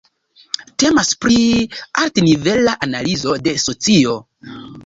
Temas pri altnivela analizo de socio.